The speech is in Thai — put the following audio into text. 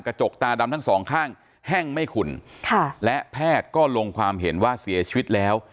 กระจกตาดำทั้งสองข้างแห้งไม่ขุ่นค่ะและแพทย์ก็ลงความเห็นว่าเสียชีวิตแล้ว